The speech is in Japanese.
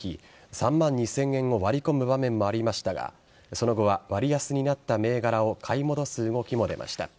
３万２０００円を割り込む場面もありましたがその後は割安になった銘柄を買い戻す動きも出ました。